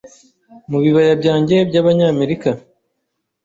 Mubibaya byanjye byabanyamerika